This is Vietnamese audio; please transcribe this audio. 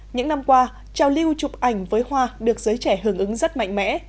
những năm qua trao lưu chụp ảnh với hoa được giới trẻ hưởng ứng rất mạnh mẽ